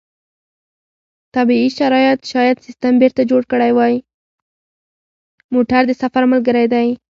موټر د سفر ملګری دی.